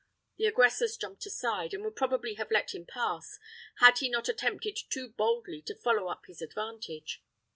The aggressors jumped aside, and would probably have let him pass, had he not attempted too boldly to follow up his advantage.